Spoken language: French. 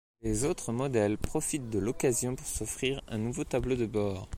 Les autres modèles profitent de l’occasion pour s’offrir un nouveau tableau de bord.